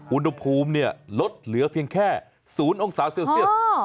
อุณหภูมิลดเหลือเพียงแค่๐องศาเซลเซียส